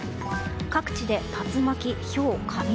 各地で竜巻・ひょう・雷。